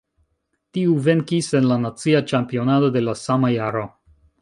Tiu venkis en la nacia ĉampionado de la sama jaro.